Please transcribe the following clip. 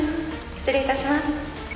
失礼いたします。